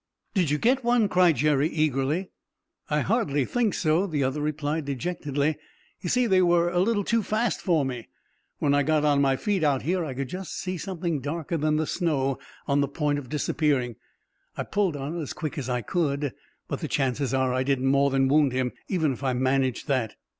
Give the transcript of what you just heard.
"Did you get one?" cried Jerry eagerly. "I hardly think so," the other replied dejectedly. "You see, they were a little too fast for me. When I got on my feet out here I could just see something darker than the snow on the point of disappearing. I pulled on it as quick as I could; but the chances are I didn't more than wound him, even if I managed that."